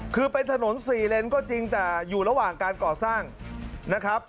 คือเป็นถนน๔เลนก็จริงแต่อยู่ระหว่างการก่อสร้างนะครับ